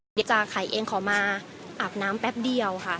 เดี๋ยวจะขายเองขอมาอาบน้ำแป๊บเดียวค่ะ